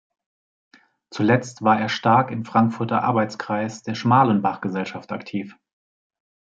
Zuletzt war er stark im "Frankfurter Arbeitskreis der Schmalenbachgesellschaft" aktiv.